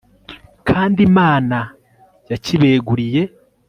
kandi imana yakibeguriye